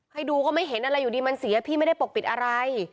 ให้ดูก็ไม่เห็นอะไรอยู่ดีมันเสียพี่ไม่ได้ปกปิดอะไร